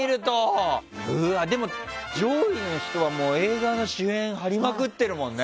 でも上位の人は映画の主演張りまくってるもんね。